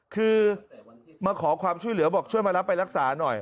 คือมาขอความช่วยเหลือบอกช่วยมารับไปรักษาหน่อย